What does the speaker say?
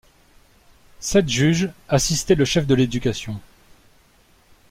Sept juges assistaient le chef de l'éducation.